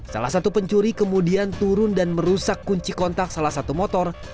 salah satu pencuri kemudian turun dan merusak kunci kontak salah satu motor